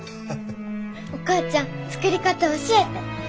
お母ちゃん作り方教えて。